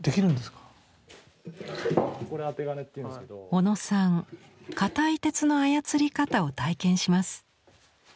小野さん硬い鉄の操り方を体験します。